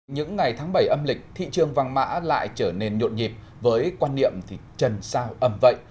những ngày tháng bảy âm lịch thị trường vàng mã lại trở nên nhộn nhịp với quan niệm trần sao âm vậy